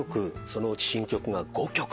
そのうち新曲が５曲。